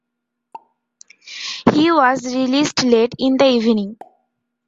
He was released late in the evening.